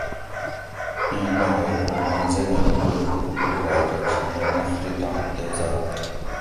ایں نہ ھوگ کو ماں زنگہ لۤٹور ھکوکور راۤکہ چھی نفرتاں تیزاب